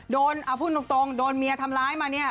พูดตรงโดนเมียทำร้ายมาเนี่ย